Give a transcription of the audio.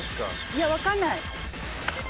いや分かんない。